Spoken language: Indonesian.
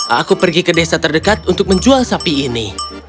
aku pergi ke desa terdekat untuk menjual sapi ini